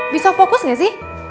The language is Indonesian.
bisa fokus gak sih